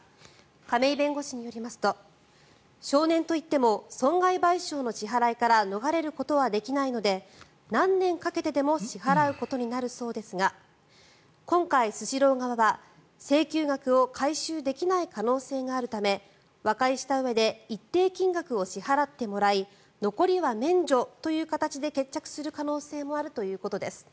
亀井弁護士によりますと少年といっても損害賠償の支払いから逃れることはできないので何年かけてでも支払うことになるそうですが今回、スシロー側は請求額を回収できない可能性があるため和解したうえで一定金額を支払ってもらい残りは免除という形で決着する可能性もあるということです。